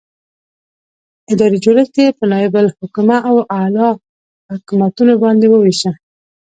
ادارې جوړښت یې په نائب الحکومه او اعلي حکومتونو باندې وویشه.